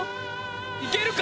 いけるか！？